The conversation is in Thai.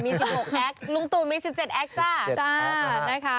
มี๑๖แอคลุงตุมี๑๗แอคจ้ะ